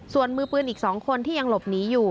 ส่วนมือปืนอีก๒คนที่ยังหลบหนีอยู่